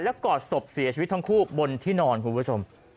กอดศพเสียชีวิตทั้งคู่บนที่นอนคุณผู้ชม